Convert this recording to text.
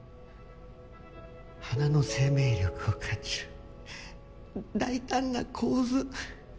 花の生命力を感じる大胆な構図。